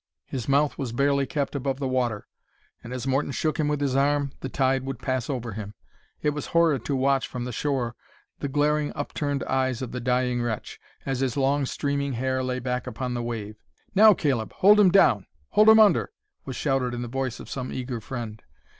His mouth was barely kept above the water, and as Morton shook him with his arm, the tide would pass over him. It was horrid to watch from the shore the glaring upturned eyes of the dying wretch, as his long streaming hair lay back upon the wave. "Now, Caleb, hold him down. Hold him under," was shouted in the voice of some eager friend.